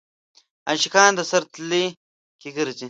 عاشقان د سر تلي کې ګرځي.